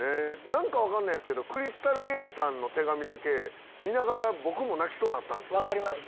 何か分かんないんすけどクリスタル・ケイさんの手紙だけ見ながら僕も泣きそうになったんすよ。